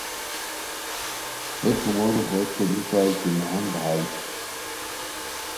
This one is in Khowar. ہے کومورو ہوتے لو پرائے کی نہنگ ہائے